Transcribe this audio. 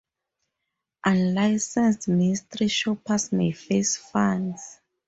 Unlicensed mystery shoppers may face fines.